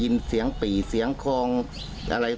ก่อนเคยมีคนได้ยิน